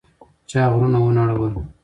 چا غرونه ونړول؟